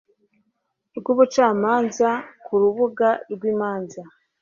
rw ubucamanza ku rubuga rw imanza